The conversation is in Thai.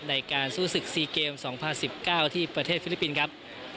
ในการสู้ศึก๔เกม๒๐๑๙ที่ประเทศฟิลิปปินส์ครับ